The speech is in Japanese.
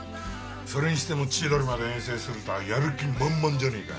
それにしても千鳥まで遠征するとはやる気満々じゃねえか。